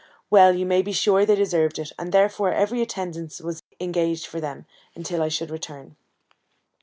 Well, you may be sure they deserved it, and therefore every attendance was engaged for them, until I should return.